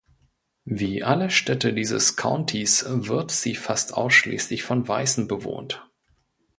Wie alle Städte dieses Countys wird sie fast ausschließlich von Weißen bewohnt.